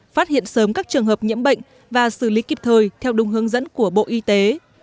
phát hiện sớm các trường hợp nhiễm bệnh và xử lý kịp thời theo đúng hướng dẫn của bộ y tế